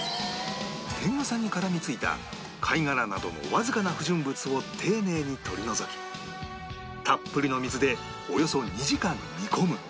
天草に絡み付いた貝殻などのわずかな不純物を丁寧に取り除きたっぷりの水でおよそ２時間煮込む